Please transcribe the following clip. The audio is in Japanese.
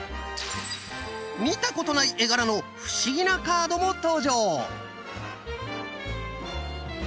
見たことない絵柄の不思議なカードも登場！